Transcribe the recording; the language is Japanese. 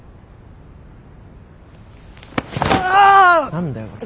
何だよこら。